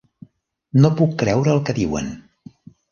No puc creure el que diuen.